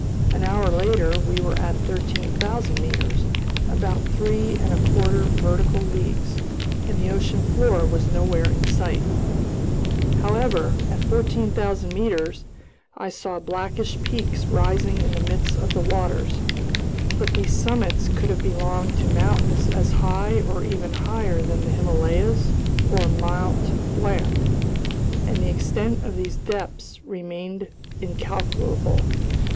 An hour later we were at 13,000 meters—about three and a quarter vertical leagues—and the ocean floor was nowhere in sight. However, at 14,000 meters I saw blackish peaks rising in the midst of the waters. But these summits could have belonged to mountains as high or even higher than the Himalayas or Mt. Blanc, and the extent of these depths remained incalculable.